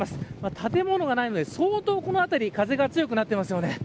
建物がないので相当この辺り風が強くなってますよね。